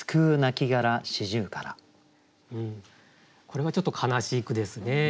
これはちょっと悲しい句ですね。